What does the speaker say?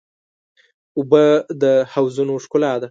اوبه د حوضونو ښکلا ده.